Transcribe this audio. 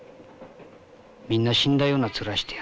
みんな死んだような面してやがる。